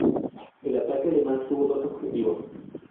El ataque alemán tuvo dos objetivos.